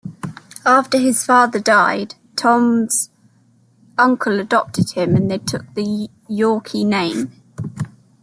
After his father died, Tom's uncle adopted him and he took the Yawkey name.